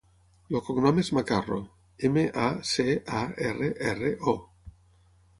El cognom és Macarro: ema, a, ce, a, erra, erra, o.